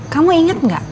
kamu inget gak dame